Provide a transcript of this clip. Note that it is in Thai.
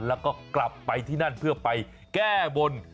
แล้วก็กลับไปที่นั่นเพื่อไปแก้บน